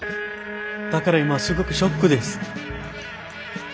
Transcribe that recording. だから今すごくショックです。